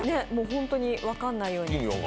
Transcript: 本当に分からないように。